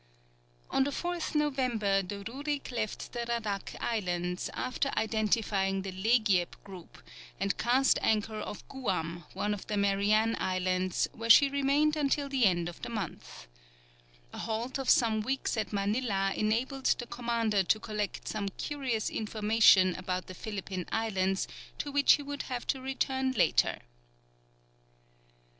[Illustration: Interior of a house at Radak. (Fac simile of early engraving.)] On the 4th November the Rurik left the Radak Islands, after identifying the Legiep group, and cast anchor off Guam, one of the Marianne islands, where she remained until the end of the month. A halt of some weeks at Manilla enabled the commander to collect some curious information about the Philippine Islands, to which he would have to return later.